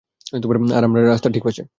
আর আমরা ঠিক রাস্তার পাশে।